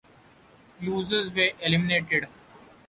Losers were eliminated.